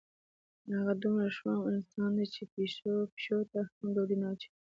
هغه دومره شوم انسان دی چې پیشو ته هم ډوډۍ نه اچوي.